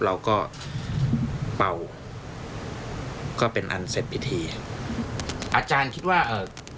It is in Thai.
เราก็เป่าก็เป็นอันเสร็จพิธีอ่ะอาจารย์คิดว่าเอ่อ